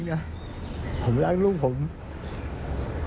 ผมไม่ต้องการให้คนอื่นมาว่าลูกผม